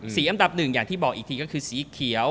อันดับหนึ่งอย่างที่บอกอีกทีก็คือสีเขียว